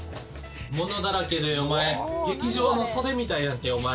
物だらけでお前劇場の袖みたいやんけ。